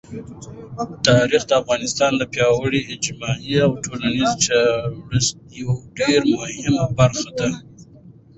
تاریخ د افغانستان د پیاوړي اجتماعي او ټولنیز جوړښت یوه ډېره مهمه برخه ده.